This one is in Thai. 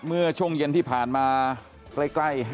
เมื่อช่วงเย็นที่ผ่านมาใกล้